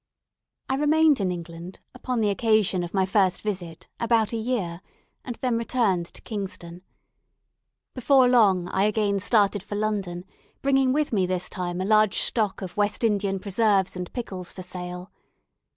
I remained in England, upon the occasion of my first visit, about a year; and then returned to Kingston. Before long I again started for London, bringing with me this time a large stock of West Indian preserves and pickles for sale.